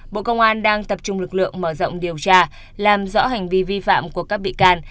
bộ công an đang tập trung lực lượng mở rộng điều tra làm rõ hành vi vi phạm của các bị can